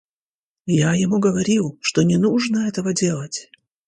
Я ему говорил, что не нужно этого делать!